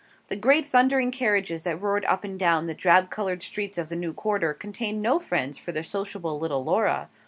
The great thundering carriages that roared up and down the drab coloured streets of the new quarter, contained no friends for the sociable little Laura.